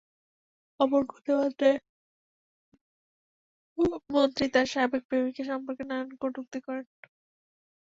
অপর খুদে বার্তায় মন্ত্রী তাঁর সাবেক প্রেমিকা সম্পর্কে নানান কটূক্তি করেন।